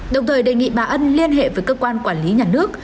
đồng thời đề nghị bà ân liên hệ với cơ quan quản lý nhà nước